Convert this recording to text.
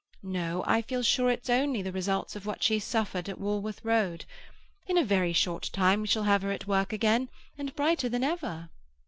No, I feel sure it's only the results of what she suffered at Walworth Road. In a very short time we shall have her at work again, and brighter than ever."